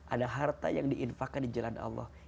ada harta yang diinfakan di jalan allah